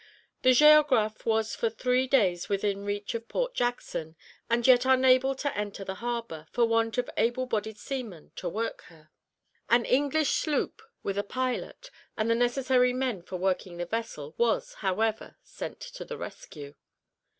The Géographe was for three days within reach of Port Jackson, and yet unable to enter the harbour, for want of able bodied seamen to work her. An English sloop, with a pilot, and the necessary men for working the vessel, was, however, sent to the rescue.